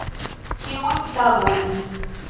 Ĉiujn tagojn.